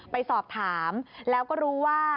ไปสอบถามแล้วก็รู้ว่า